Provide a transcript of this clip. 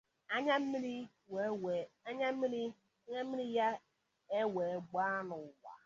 anya mmiri ya ewee gbaa n'ụwa